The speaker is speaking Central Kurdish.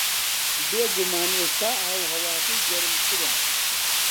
بێگومان ئێستا ئاو و ھەواکەی گەرمترە